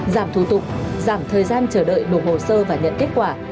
giảm thủ tục giảm thời gian chờ đợi nộp hồ sơ và nhận kết quả